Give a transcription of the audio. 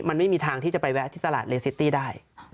มันไม่มีทางที่จะไปแวะที่ตลาดเลซิตี้ได้